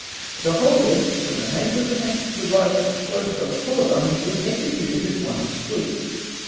The whole head, from the nape of the neck to the rise of the throat above the collar bone, was executed at one sweep.